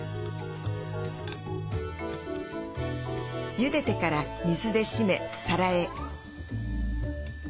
ゆでてから水で締め皿へ。